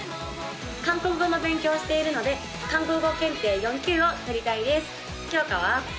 韓国語の勉強をしているので韓国語検定４級を取りたいですきょうかは？